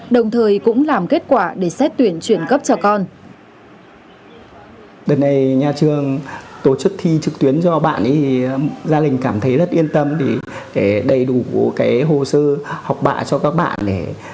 đồng thời cũng làm kết quả để xét tuyển chuyển cấp cho con